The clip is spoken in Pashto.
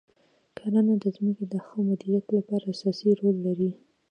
کرنه د ځمکې د ښه مدیریت لپاره اساسي رول لري.